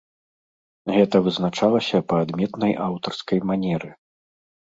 Гэта вызначылася па адметнай аўтарскай манеры.